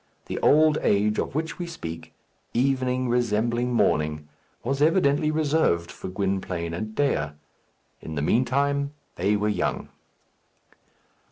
The old age of which we speak, evening resembling morning, was evidently reserved for Gwynplaine and Dea. In the meantime they were young.